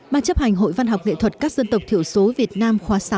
ban chấp hành hội văn học nghệ thuật các dân tộc thiểu số việt nam khóa sáu